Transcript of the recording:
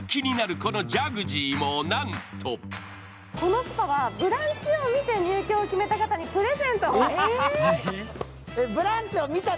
このジャグジーもなんとこのスパは「ブランチ」を見て入居を決めた方にプレゼントを。